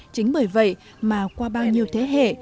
chính bởi vậy mà qua bao nhiêu thế hệ